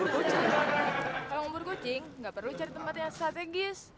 kalau ngubur kucing gak perlu cari tempatnya strategis